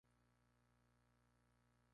Tiene su sede en Maracaibo, estado Zulia.